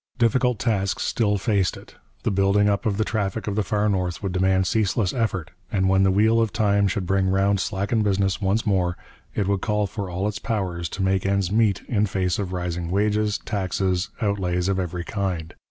Difficult tasks still faced it: the building up of the traffic of the far north would demand ceaseless effort, and when the wheel of time should bring round slackened business once more, it would call for all its powers to make ends meet in face of rising wages, taxes, outlays of every kind.